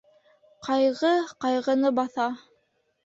Ҡайғы ҡайғыны баҫа.